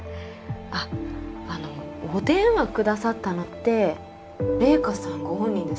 あっあのお電話くださったのって麗華さんご本人ですか？